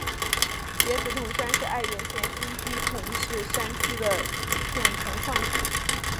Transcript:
别子铜山是爱媛县新居滨市山间的一片铜矿区。